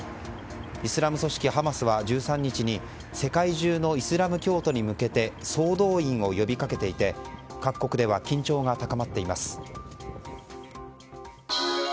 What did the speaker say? イスラム組織ハマスは１３日に世界中のイスラム教徒に向けて総動員を呼び掛けていて各国では緊張が高まっています。